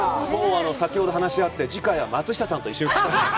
先ほど話し合って、次回は松下さんと一緒に行こうと。